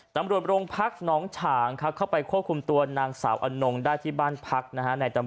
ตำรวจโรงพักหนองฉางครับเข้าไปควบคุมตัวนางสาวอนงได้ที่บ้านพักนะฮะ